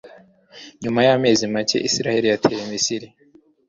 Nyuma y'amezi make, Isiraheli yateye Misiri.